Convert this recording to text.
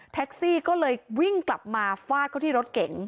ซี่ก็เลยวิ่งกลับมาฟาดเขาที่รถเก๋ง